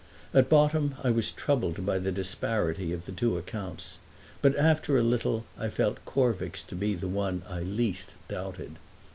At bottom I was troubled by the disparity of the two accounts; but after a little I felt Corvick's to be the one I least doubted.